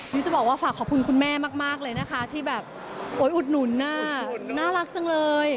จะบอกว่าฝากขอบคุณคุณแม่มากเลยนะคะที่แบบโอ๊ยอุดหนุนน่ารักจังเลย